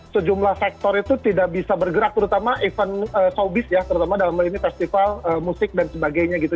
sejumlah sektor itu tidak bisa bergerak terutama event showbiz ya terutama dalam hal ini festival musik dan sebagainya gitu